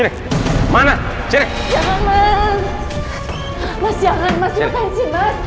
dibuat hasil mas